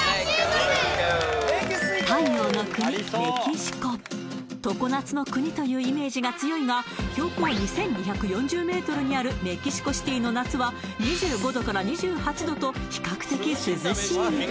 太陽の国メキシコ常夏の国というイメージが強いが標高２２４０ｍにあるメキシコシティの夏は２５度２８度と比較的涼しい